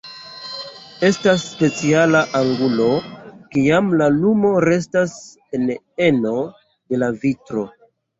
Estas speciala angulo, kiam la lumo restas en eno de la vitro.